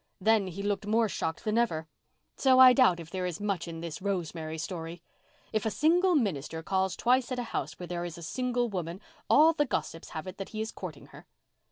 Then he looked more shocked than ever. So I doubt if there is much in this Rosemary story. If a single minister calls twice at a house where there is a single woman all the gossips have it he is courting her."